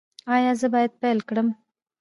ایا زه باید پیل کړم؟